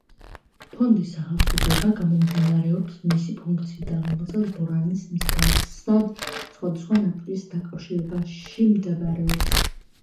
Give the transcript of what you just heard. ფონდის სახელწოდება გამომდინარეობს მისი ფუნქციიდან, რომელიც ბორანის მსგავსად სხვადასხვა ნაპირის დაკავშირებაში მდგომარეობს.